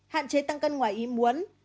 hạn chế tăng cân ngoài ý muốn